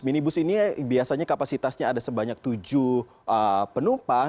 minibus ini biasanya kapasitasnya ada sebanyak tujuh penumpang